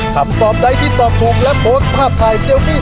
คำตอบใดที่ตอบถูกและโพสต์ภาพถ่ายเซลฟี่